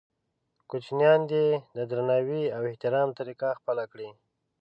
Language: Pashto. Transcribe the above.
کوچنیان دې د درناوي او احترام طریقه خپله کړي.